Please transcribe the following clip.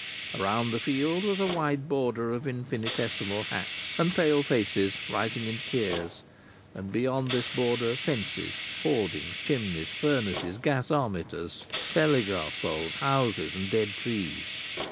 Around the field was a wide border of infinitesimal hats and pale faces, rising in tiers, and beyond this border fences, hoardings, chimneys, furnaces, gasometers, telegraph poles, houses, and dead trees.